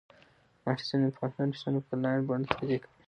محصلین د پوهنتون فیسونه په انلاین بڼه تادیه کوي.